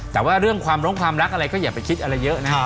แต่ว่าเรื่องความลงความรักอะไรก็อย่าไปคิดอะไรเยอะนะครับ